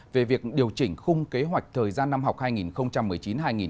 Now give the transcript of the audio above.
về việc điều chỉnh khung kế hoạch thời gian năm học hai nghìn một mươi chín hai nghìn hai mươi